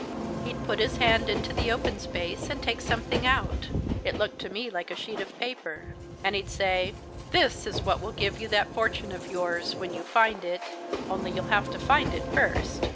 He'd put his hand into the open space, and take something out; it looked to me like a sheet of paper. And he'd say, 'This is what will give you that fortune of yours when you find it. Only you'll have to find it first.